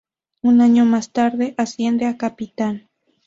Un año más tarde asciende a Capitán.